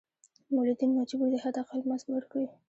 مولدین مجبور دي حد اقل مزد ورکړي.